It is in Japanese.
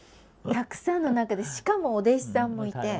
たくさんの中でしかもお弟子さんもいて。